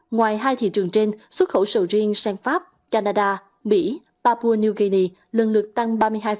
ngoài hai thị trường trên xuất khẩu sầu riêng sang pháp canada mỹ papua new guinea lần lượt tăng ba mươi hai